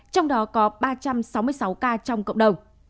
trong đó có ba trăm sáu mươi sáu ca trong cộng đồng